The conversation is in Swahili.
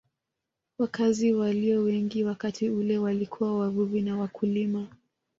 Wakazi walio wengi wakati ule walikuwa wavuvi na wakulima